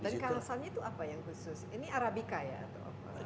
dan kerasanya itu apa yang khusus ini arabica ya